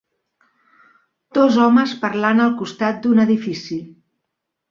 Dos homes parlant al costat d'un edifici.